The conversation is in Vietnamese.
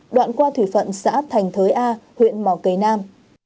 đoạn qua thủy phận xã thành thới a huyện mỏ cầy nam